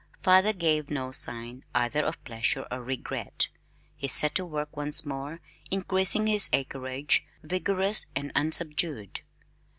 Father gave no sign either of pleasure or regret. He set to work once more increasing his acreage, vigorous and unsubdued.